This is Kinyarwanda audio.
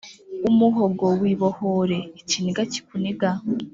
Umuhogo wibohore ikiniga kikuniga